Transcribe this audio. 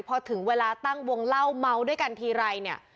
พอถึงเวลาตั้งวงเล่าเมาด้วยกันทีไรเนี่ย